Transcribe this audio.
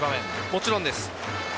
もちろんです。